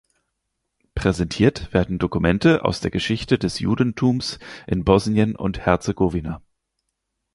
Präsentiert werden Dokumente aus der Geschichte des Judentums in Bosnien und Herzegowina.